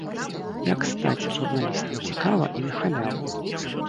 Як стаць журналістам цікава і на халяву?